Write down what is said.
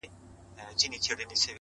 زما د هر شعر نه د هري پيغلي بد راځي;